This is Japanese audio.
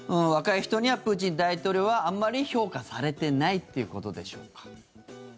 若い人にはプーチン大統領はあまり評価されてないということでしょうか？